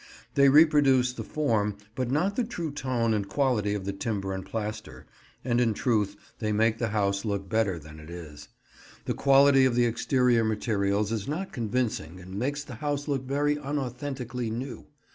They reproduce the form, but not the true tone and quality of the timber and plaster, and in truth they make the house look better than it is. The quality of the exterior materials is not convincing and makes the house look very unauthentically new.